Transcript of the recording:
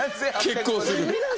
結構する。